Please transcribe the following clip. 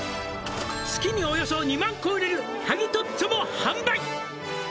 「月におよそ２万個売れるはぎトッツォも販売」